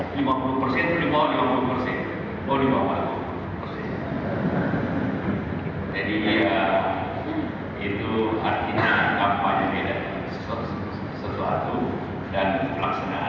kita perlu khawatir dengan dasar apa yang kita katakan terakhir